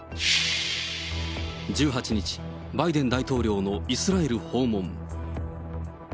１８日、バイデン大統領のイスラエル訪問。